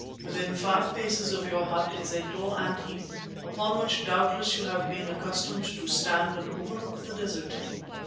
Within five paces of your hut is a tall ant heap upon which doubtless you have been accustomed to stand and overlook the desert."